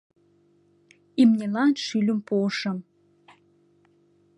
Имньылан шӱльым пуышым.